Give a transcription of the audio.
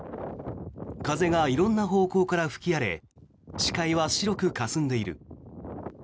風が色んな方向から吹き荒れ視界は白くかすんでいる。